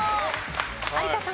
有田さん。